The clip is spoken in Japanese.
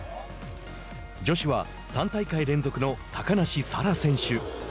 女子は３大会連続の高梨沙羅選手。